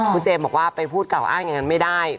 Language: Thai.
คุณเจมส์บอกว่าไปพูดกล่าวอ้างอย่างนั้นไม่ได้